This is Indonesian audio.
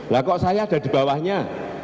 lah kok saya ada di bawahnya